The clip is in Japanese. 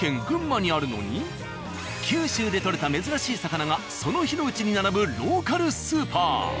九州で獲れた珍しい魚がその日のうちに並ぶローカルスーパー。